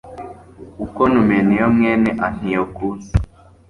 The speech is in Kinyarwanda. ko numeniyo mwene antiyokusi